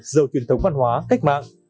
dầu truyền thống văn hóa cách mạng